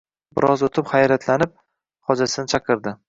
Biroz o`tib xayratlanib xojasini chaqirdi